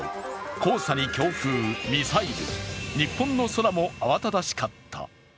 黄砂に強風、ミサイル日本の空も慌ただしかった。